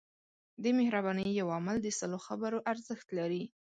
د مهربانۍ یو عمل د سلو خبرو ارزښت لري.